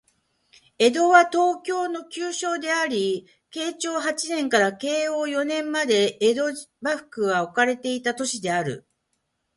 江戸は、東京の旧称であり、慶長八年から慶応四年まで江戸幕府が置かれていた都市である